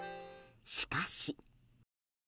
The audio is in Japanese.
しかし。